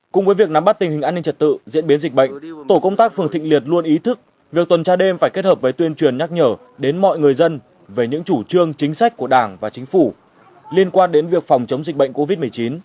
cùng với việc nắm bắt tình hình an ninh trật tự diễn biến dịch bệnh tổ công tác phường thịnh liệt luôn ý thức việc tuần tra đêm phải kết hợp với tuyên truyền nhắc nhở đến mọi người dân về những chủ trương chính sách của đảng và chính phủ liên quan đến việc phòng chống dịch bệnh covid một mươi chín